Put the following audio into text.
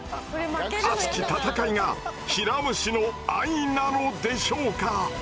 熱き戦いがヒラムシの愛なのでしょうか？